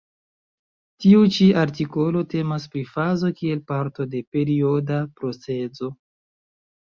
Tiu ĉi artikolo temas pri fazo kiel parto de perioda procezo.